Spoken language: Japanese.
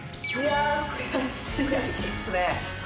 悔しいっすね。